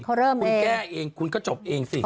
เขาเริ่มคุณแก้เองคุณก็จบเองสิ